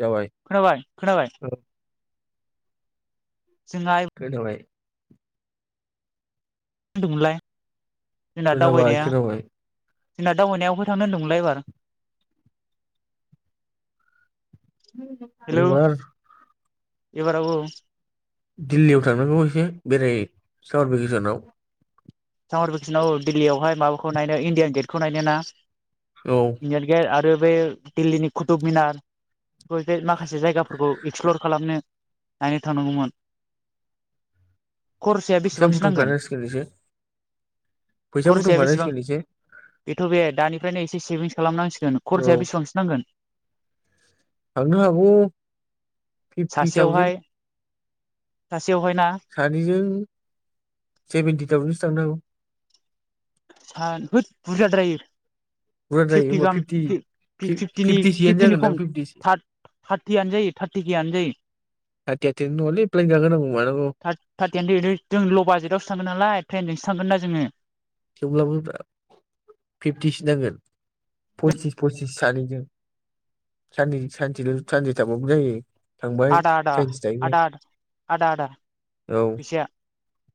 जाबाय खोनाबाय खोनाबाय। औ जोंहा गोदावनाय मा होदोंमोनलाय? खोनाबाय खोनाबाय। जोंना दावबायनाया बहा थांनो होनदोंमोनलाय एबार? हेलौ एबार। एबाराव औ औ । दिल्लीयाव थांनांगौ एसे बेराय सामार भेकेसनाव सामार भेकेसनाव औ दिल्लीयावहाय माबाखौ नायनो इण्डियान गेटखौ नायनो ना? औ इंडियान गेट आरो बे दिल्लीनि कुटुब मिनार। बे जे माखासे जायगाफोरखौ एक्सप्लर खालामनो। नायनो थानांगौमोन। खरसाया फैसा बेसेबांसो नांगोन? बुथुमखानांसिगोन एसे फैसा खरसाया बेसेबां बुथुमखानांसिगोन एसे बेथ' बे दानिफ्रायनो एस से सेभिंस खालामनांसि औ खरसाया बेसेबांसो नांगोन? थांनो हागौ फिफ्टि थावजेन। सासेयावहाय सासेयावहाय ना सानैजों सेभेेनटि थावजेनसो थांनो हागौ। फान होथ बुरजाद्रायो। बुरजा जायो फिफ्टि होमबा गाहाम फिफ फि फिफ्टिनि फिफ्टिसोआनो फिफ्टिनि जागोनदां खम फिफ्टिसो थार थारटियानो जायो, थारटि केयानो जायो, थार्टि थार्टि नङालै प्लेन गाखोनांगौ मानांगौ थार थारटियानो थोयो जों ल' बाजेटावसो थांगोन नालाय ट्रेनजोंसो थांगोन ना जोङो। थेवब्लाबो ब्रा फिफ्टिसो नांगोन। पसिच पसिच सानैजों साननै सानसेल' सानसे थाबाबो जायो। थांबाय आदा आदा, सानसे थाहैबाय आदा आदा, आदा आदा। औ फैसाया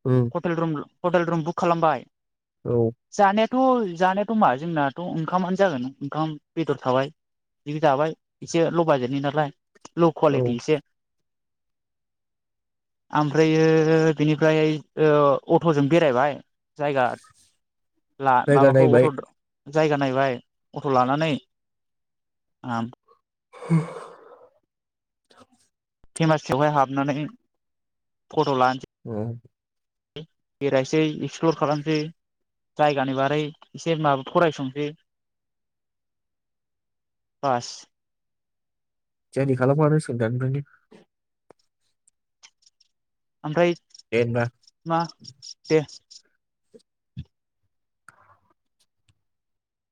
उम hotel room, hotel room book खालामबाय। औ थ' जानायाथ' मा जोंनाथ' ओंखामानो जागोन ना ओंखाम बेदर थाबाय जि जाबाय एसे ल' बाजेटनि नालाय। ल' औ क्वालिटि एसे आम फ्रायो बिनिफ्राय ओ अट'जों बेरायबाय जायगा ला जायगा माबाखौ नायबाय अट' जायगा नायबाय अट' लानानै उम। हो फेमासावहाय हाबनानै फट' ला उम बेरायसै इग्सफ्लर खालामसै जायगानि बारै एसे माबा फरायसंसै बास। द्राइभिं खालामखानांसिगोन दानिफ्रायनो। ओमफ्राय दे होनबा। मा दे।